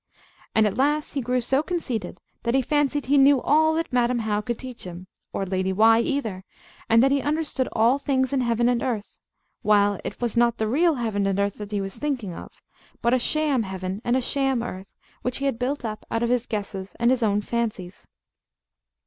And at last he grew so conceited that he fancied he knew all that Madam How could teach him, or Lady Why either, and that he understood all things in heaven and earth; while it was not the real heaven and earth that he was thinking of, but a sham heaven and a sham earth, which he had built up out of his guesses and his own fancies.